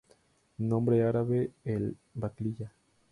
Nombre árabe: "El-Baqliya".